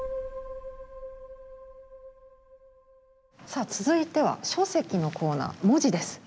さあ続いては書籍のコーナー文字です。